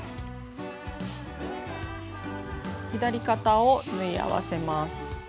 左肩を縫い合わせます。